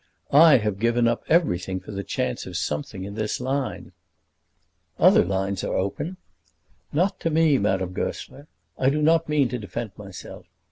I have given up everything for the chance of something in this line." "Other lines are open." "Not to me, Madame Goesler. I do not mean to defend myself.